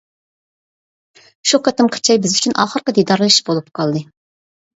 شۇ قېتىمقى چاي بىز ئۈچۈن ئاخىرقى دىدارلىشىش بولۇپ قالدى.